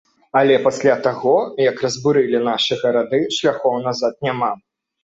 Але пасля таго, як разбурылі нашы гарады, шляхоў назад няма.